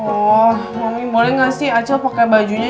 oh mami boleh gak sih acil pake bajunya